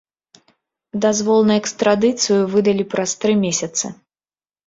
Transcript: Дазвол на экстрадыцыю выдалі праз тры месяцы.